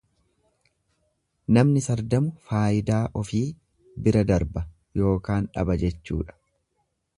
Namni sardamu faayidaa ofii bira darba yookaan dhaba jechuudha.